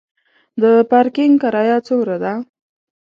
د پارکینګ کرایه څومره ده؟